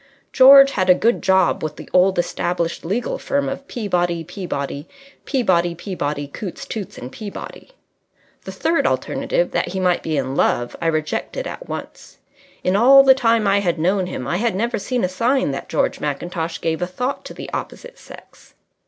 George had a good job with the old established legal firm of Peabody, Peabody, Peabody, Peabody, Cootes, Toots, and Peabody. The third alternative, that he might be in love, I rejected at once. In all the time I had known him I had never seen a sign that George Mackintosh gave a thought to the opposite sex.